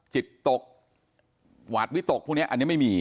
จิตตกหวาดวิตกพวกนี้อันนี้ไม่มี